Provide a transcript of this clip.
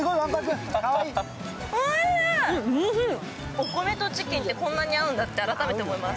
お米とチキンってこんなに合うんだって改めて思います。